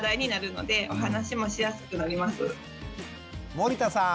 森田さん。